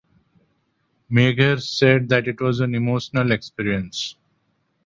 Meagher said that it was an emotional experience.